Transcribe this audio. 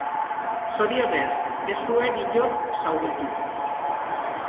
Zorionez, ez zuen inor zauritu.